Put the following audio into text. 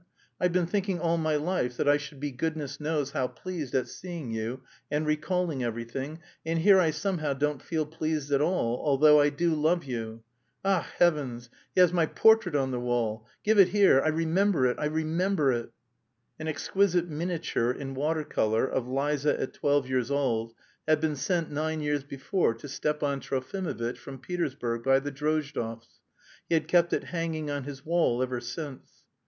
I've been thinking all my life that I should be goodness knows how pleased at seeing you and recalling everything, and here I somehow don't feel pleased at all, although I do love you.... Ach, heavens! He has my portrait on the wall! Give it here. I remember it! I remember it!" An exquisite miniature in water colour of Liza at twelve years old had been sent nine years before to Stepan Trofimovitch from Petersburg by the Drozdovs. He had kept it hanging on his wall ever since.